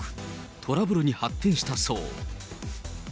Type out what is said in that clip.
トラブルに発展したそう。